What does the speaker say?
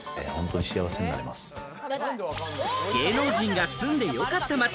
芸能人が住んでよかった街。